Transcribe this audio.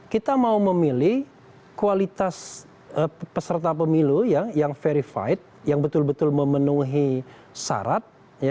kita mau memilih kualitas peserta pemilu yang verified yang betul betul memenuhi syarat